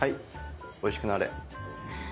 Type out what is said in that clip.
おいしくなれ。